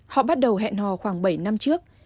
họ bắt đầu hẹn hò khoảng bảy năm trước